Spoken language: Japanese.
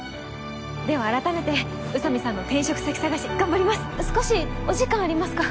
では改めて宇佐美さんの転職先探し少しお時間ありますか？